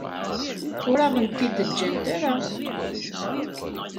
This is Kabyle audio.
Ur aɣ-ten-id-ǧǧant ara.